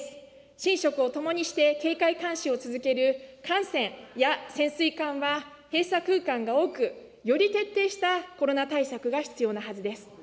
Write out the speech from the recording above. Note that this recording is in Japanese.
寝食を共にして、警戒監視を続ける艦船や潜水艦は、閉鎖空間が多く、より徹底したコロナ対策が必要なはずです。